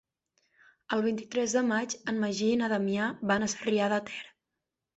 El vint-i-tres de maig en Magí i na Damià van a Sarrià de Ter.